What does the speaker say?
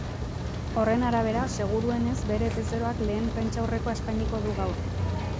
Horren arabera, seguruenez bere bezeroak lehen prentsaurrekoa eskainiko du gaur.